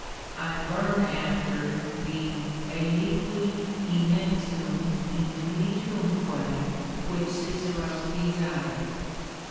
I burn after the aliquid immensum infinitumque which Cicero desired.